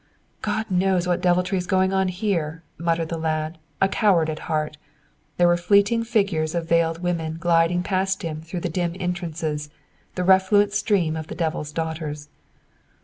"God knows what deviltry is going on here," muttered the lad, a coward at heart. There were fleeting figures of veiled women gliding past him through the dim entrances, the refluent stream of the Devil's daughters.